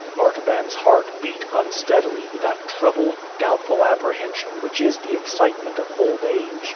Artaban's heart beat unsteadily with that troubled, doubtful apprehension which is the excitement of old age.